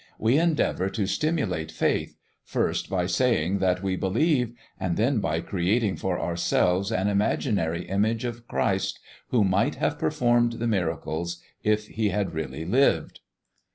We endeavor to stimulate faith, first by saying that we believe, and then by creating for ourselves an imaginary image of Christ who might have performed the miracles if He had really lived.